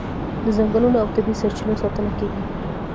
د ځنګلونو او طبیعي سرچینو ساتنه کیږي.